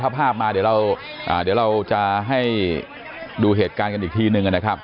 ถ้าภาพมาเดี๋ยวเราจะให้ดูเหตุการณ์กันอีกทีหนึ่งนะครับ